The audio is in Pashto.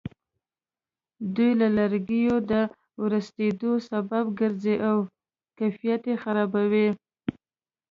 دوی د لرګیو د ورستېدلو سبب ګرځي او کیفیت یې خرابوي.